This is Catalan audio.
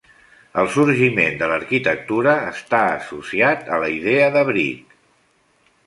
El sorgiment de l'arquitectura està associat a la idea d'abric.